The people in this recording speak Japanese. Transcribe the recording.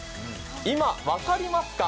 今分かりますか？